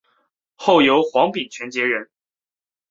后由黄秉权接任。